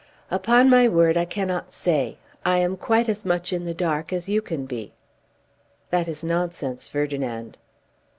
"Upon my word I cannot say. I am quite as much in the dark as you can be." "That is nonsense, Ferdinand."